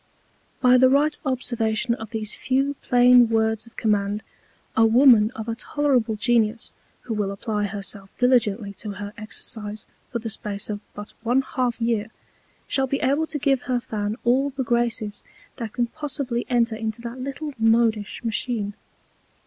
By the right Observation of these few plain Words of Command, a Woman of a tolerable Genius, who will apply herself diligently to her Exercise for the Space of but one half Year, shall be able to give her Fan all the Graces that can possibly enter into that little modish Machine.